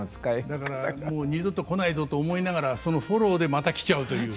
だから「もう二度と来ないぞ」と思いながらそのフォローでまた来ちゃうという。